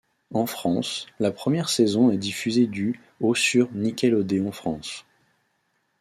En France, la première saison est diffusée du au sur Nickelodeon France.